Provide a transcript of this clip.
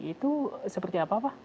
itu seperti apa pak